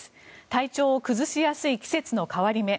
体調を崩しやすい季節の変わり目。